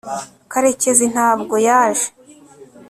karekezi ntabwo yaje